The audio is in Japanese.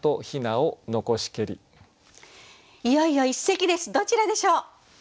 いよいよ一席ですどちらでしょう。